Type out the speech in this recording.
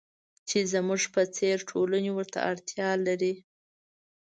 چې زموږ په څېر ټولنې ورته اړتیا لري.